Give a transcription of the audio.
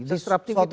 disruptive itu artinya